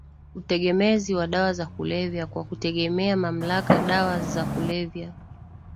utegemezi wa dawa za kulevyaKwa kutegemea mamlaka dawa za kulevya